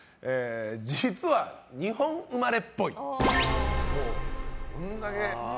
実は日本生まれっぽい。